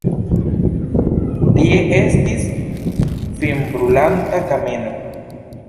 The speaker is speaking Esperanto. Tie estis finbrulanta kameno.